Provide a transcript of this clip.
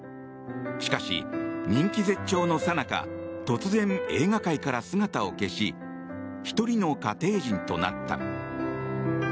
しかし、人気絶頂のさなか突然、映画界から姿を消し１人の家庭人となった。